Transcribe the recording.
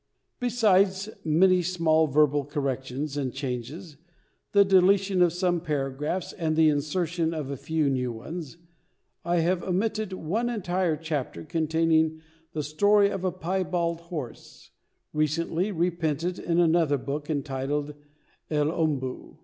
Besides many small verbal corrections and changes, the deletion of some paragraphs and the insertion of a few new ones, I have omitted one entire chapter containing the Story of a Piebald Horse, recently reprinted in another book entitled El Ombù.